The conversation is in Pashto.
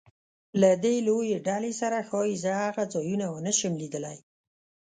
له دې لویې ډلې سره ښایي زه هغه ځایونه ونه شم لیدلی.